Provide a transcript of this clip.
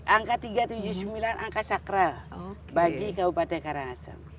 angka tiga ratus tujuh puluh sembilan angka sakral bagi kabupaten karangasem